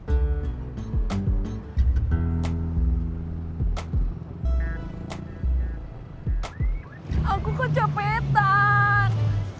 aku kok cepetan